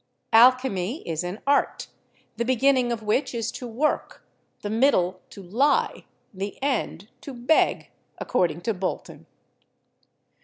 Alchemy is an art, the beginning of which is to work, the middle to lie, the end to beg (according to Bolton).